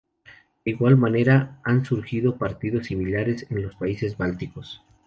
De igual manera han surgido partidos similares en los países bálticos.